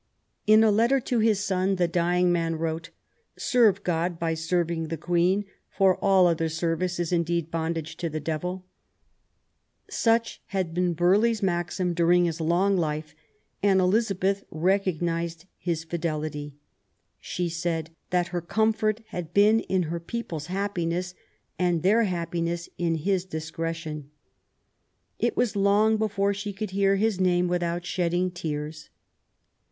In a letter to his son the dying man wrote :" Serve God by serving* the Queen, for all other service is indeed bondage to the devil ". Such had been Burghley *s maxim during his long life; and Elizabeth recog nised his fidehty. She said *'that her comfort had been in her people's happiness, and their happiness in his discretion ". It was long before she could hear his name without shedding tears.